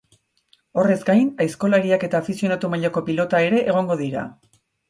Horrez gain, aizkolariak eta afizionatu mailako pilota ere egongo dira.